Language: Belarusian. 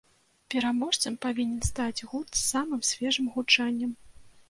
Пераможцам павінен стаць гурт з самым свежым гучаннем.